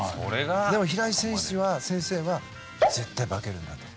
でも平井先生は絶対化けるんだと。